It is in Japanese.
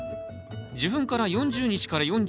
授粉から４０日から４５日。